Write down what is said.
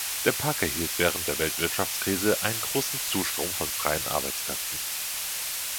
Der Park erhielt während der Weltwirtschaftskrise einen großen Zustrom von freien Arbeitskräften.